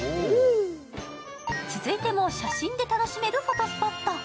続いても写真で楽しめるフォトスポット。